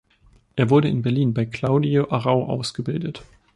Er wurde in Berlin bei Claudio Arrau ausgebildet.